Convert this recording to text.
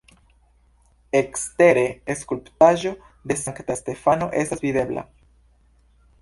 Ekstere skulptaĵo de Sankta Stefano estas videbla.